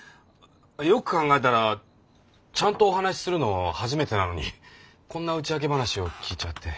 よく考えたらちゃんとお話しするの初めてなのにこんな打ち明け話を聞いちゃって。